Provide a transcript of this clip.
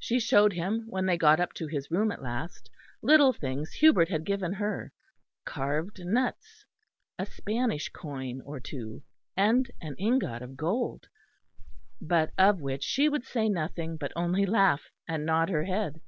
She showed him, when they got up to his room at last, little things Hubert had given her carved nuts, a Spanish coin or two, and an ingot of gold but of which she would say nothing, but only laugh and nod her head.